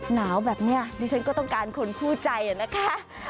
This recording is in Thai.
หนาวแบบนี้ดิฉันก็ต้องการคนคู่ใจนะคะ